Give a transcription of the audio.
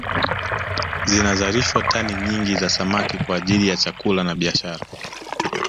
Zinazalishwa tani nyingi za samaki kwa ajili ya chakula na biashara